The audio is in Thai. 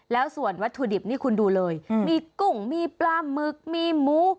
แล้วส่วนวัตถุดิบนี่คุณดูเลยมีกุ้งมีปลาหมึกมีหมู